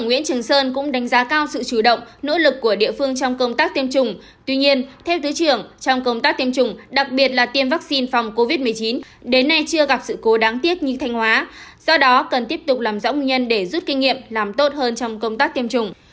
nguyễn trường sơn cũng đánh giá cao sự chủ động nỗ lực của địa phương trong công tác tiêm chủng tuy nhiên theo thứ trưởng trong công tác tiêm chủng đặc biệt là tiêm vaccine phòng covid một mươi chín đến nay chưa gặp sự cố đáng tiếc như thanh hóa do đó cần tiếp tục làm rõ nguyên nhân để rút kinh nghiệm làm tốt hơn trong công tác tiêm chủng